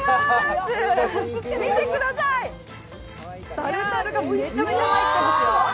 見てください、タルタルがめちゃめちゃ入ってますよ。